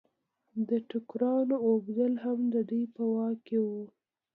د ټوکرانو اوبدل هم د دوی په واک کې وو.